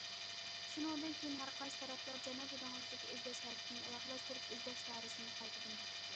شۇندىن كېيىن، ھەر قايسى تەرەپلەر جەنۇبىي دېڭىزدىكى ئىزدەش ھەرىكىتىنى ئاياغلاشتۇرۇپ، ئىزدەش دائىرىسىنى قايتىدىن بېكىتتى.